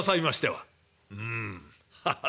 「うんハハッ！